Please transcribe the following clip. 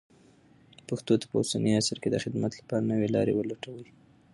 پښتو ته په اوسني عصر کې د خدمت لپاره نوې لارې ولټوئ.